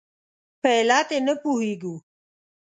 په علت یې نه پوهېږو.